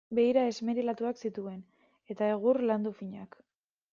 Beira esmerilatuak zituen, eta egur landu finak.